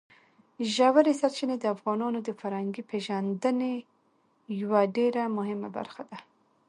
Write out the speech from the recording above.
ژورې سرچینې د افغانانو د فرهنګي پیژندنې یوه ډېره مهمه برخه ده.